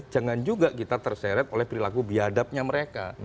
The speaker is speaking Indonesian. jangan juga kita terseret oleh perilaku biadabnya mereka